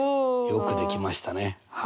よくできましたねはい。